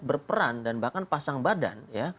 berperan dan bahkan pasang badan